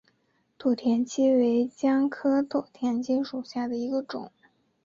土田七为姜科土田七属下的一个种。